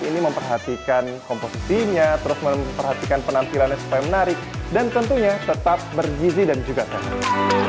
ini memperhatikan komposisinya terus memperhatikan penampilannya supaya menarik dan tentunya tetap bergizi dan juga sehat